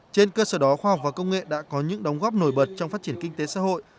trên cơ sở đó khoa học và công nghệ đã có những đóng góp nổi bật trong phát triển kinh tế xã hội